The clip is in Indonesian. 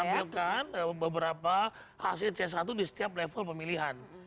tampilkan beberapa hasil c satu di setiap level pemilihan